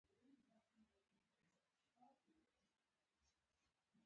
زما مور ته خدای بښنه وکړي د غندنې کلمه کاروله.